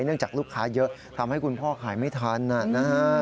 จากลูกค้าเยอะทำให้คุณพ่อขายไม่ทันนะฮะ